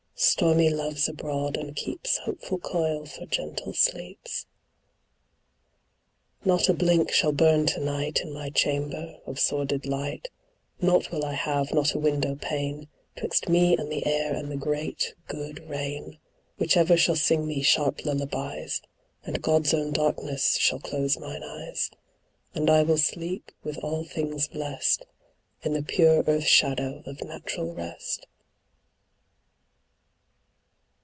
Stormy Love's abroad, and keeps Hopeful coil for gentle sleeps. Not a blink shall burn to night In my chamber, of sordid light; Nought will I have, not a window pane, 'Twixt me and the air and the great good rain, Which ever shall sing me sharp lullabies; And God's own darkness shall close mine eyes; And I will sleep, with all things blest, In the pure earth shadow of natural rest.